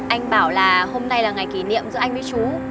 anh bảo là hôm nay là ngày kỷ niệm giữa anh với chú